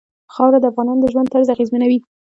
خاوره د افغانانو د ژوند طرز اغېزمنوي.